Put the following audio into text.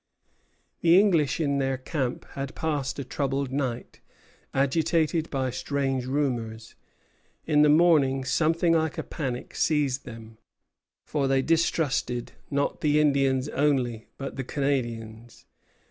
The English in their camp had passed a troubled night, agitated by strange rumors. In the morning something like a panic seized them; for they distrusted not the Indians only, but the Canadians.